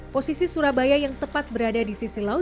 posisi surabaya yang tepat berada di sisi laut